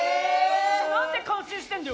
何で感心してんだよ！